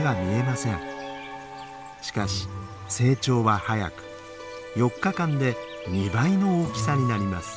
しかし成長は早く４日間で２倍の大きさになります。